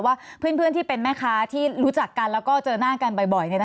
ว่าเพื่อนที่เป็นแม่ค้าที่รู้จักกันแล้วก็เจอหน้ากันบ่อย